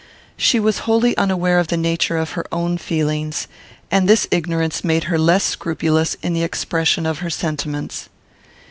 She was wholly unaware of the nature of her own feelings, and this ignorance made her less scrupulous in the expression of her sentiments.